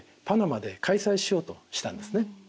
パナマで開催しようとしたんですね。